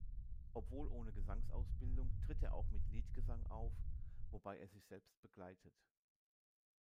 Obwohl ohne Gesangsausbildung tritt er auch mit Liedgesang auf, wobei er sich selbst begleitet.